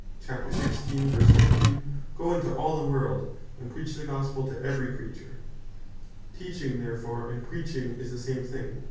15 "Goe into all the world, and Preach the Gospel to every creature." Teaching therefore, and Preaching is the same thing.